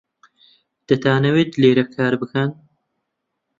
دەتانەوێت لێرە کار بکەن؟